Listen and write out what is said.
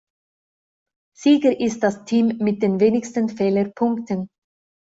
Sieger ist das Team mit den wenigsten Fehlerpunkten.